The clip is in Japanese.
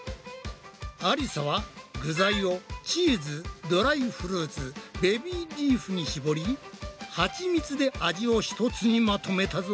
ありさは具材をチーズドライフルーツベビーリーフにしぼりハチミツで味を一つにまとめたぞ。